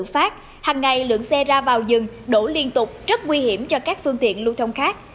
hằng ngày lượng xe ra vào dừng đổ liên tục rất nguy hiểm cho các phương tiện lưu thông khác